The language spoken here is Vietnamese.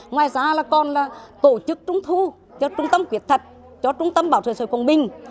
ngoài ra là còn là tổ chức trung thu cho trung tâm quyết thật cho trung tâm bảo trợ sở công binh